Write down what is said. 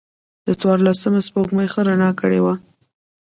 د څوارلسمم سپوږمۍ ښه رڼا کړې وه.